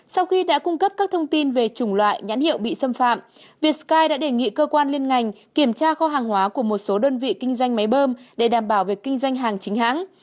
sau khi đã cung cấp các thông tin về chủng loại nhãn hiệu bị xâm phạm vietky đã đề nghị cơ quan liên ngành kiểm tra kho hàng hóa của một số đơn vị kinh doanh máy bơm để đảm bảo việc kinh doanh hàng chính hãng